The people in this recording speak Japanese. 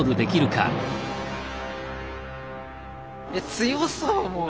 強そうもう。